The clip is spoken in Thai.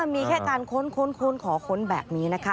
มีแค่การค้นขอค้นแบบนี้นะคะ